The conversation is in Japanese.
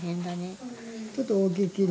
ちょっと大きいけど。